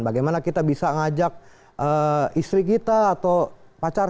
bagaimana kita bisa ngajak istri kita atau pacar